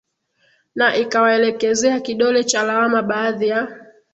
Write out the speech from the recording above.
na ikawaelekezea kidole cha lawama baadhi ya